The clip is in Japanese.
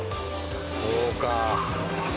そうか。